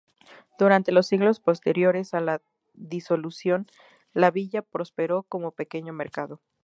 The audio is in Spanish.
Durante los siglos posteriores a la Disolución, la villa prosperó como pequeño mercado.